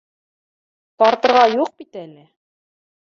— Тартырға юҡ бит әле